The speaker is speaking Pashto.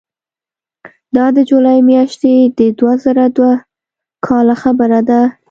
دا د جولای میاشتې د دوه زره دوه کاله خبره ده.